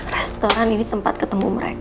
restoran ini tempat ketemu mereka